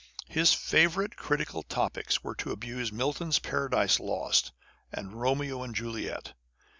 His favourite critical topics were to abuse Milton's Paradise Lost, and Romeo and Juliet.